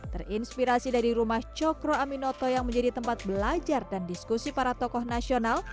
terinspirasi dari rumah cokro aminoto yang menjadi tempat belajar dan diskusi para tokoh nasional